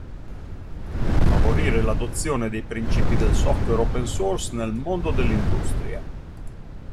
Favorire l'adozione dei principi del software open source nel mondo dell'industria.